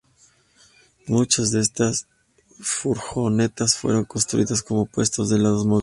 Muchas de estas furgonetas fueron construidas como puestos de helados móviles.